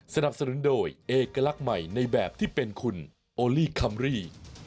สนับสนุนโดยเอกลักษณ์ใหม่ในแบบที่เป็นคุณโอลี่คัมรี่